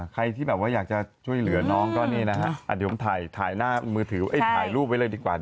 ใครที่แบบว่าอยากจะช่วยเหลือน้องก็นี่นะฮะเดี๋ยวผมถ่ายหน้ามือถือถ่ายรูปไว้เลยดีกว่า